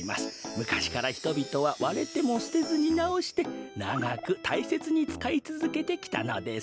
むかしからひとびとはわれてもすてずになおしてながくたいせつにつかいつづけてきたのです。